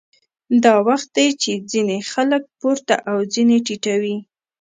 دا وخت دی چې ځینې خلک پورته او ځینې ټیټوي